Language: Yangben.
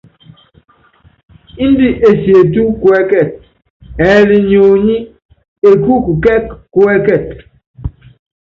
Indɛ esietu kuɛ́kɛt, ɛɛli nyonyí ekúuku kɛ́k kuɛ́kɛt.